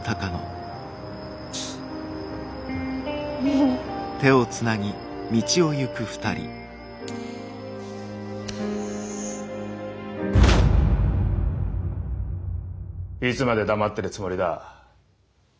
いつまで黙ってるつもりだ。